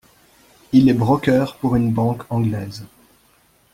Il est broker pour une banque anglaise.